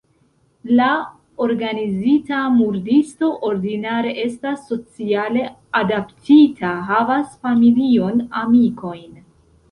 La organizita murdisto ordinare estas sociale adaptita, havas familion, amikojn.